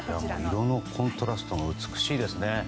色のコントラストが美しいですね。